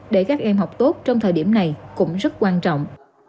để các em học tốt trong thời điểm này cũng rất quan trọng